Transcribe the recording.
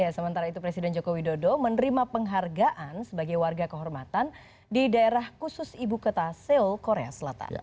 sementara itu presiden joko widodo menerima penghargaan sebagai warga kehormatan di daerah khusus ibu kota seoul korea selatan